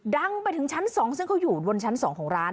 ดังไปถึงชั้น๒ซึ่งเขาอยู่บนชั้น๒ของร้าน